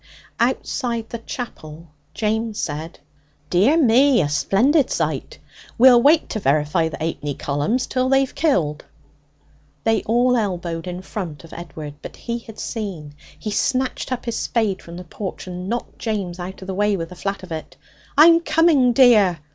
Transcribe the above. Outside the chapel James said: 'Dear me! A splendid sight! We'll wait to verify the 'apenny columns till they've killed.' They all elbowed in front of Edward. But he had seen. He snatched up his spade from the porch, and knocked James out of the way with the flat of it. 'I'm coming, dear!'